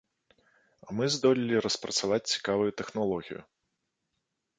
А мы здолелі распрацаваць цікавую тэхналогію.